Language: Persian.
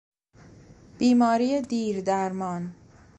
بیماری دیردرمان